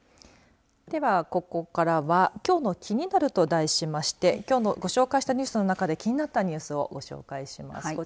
では、ここからはきょうの気になる、と題しましてきょうご紹介したニュースの中で気になったニュースをご紹介します。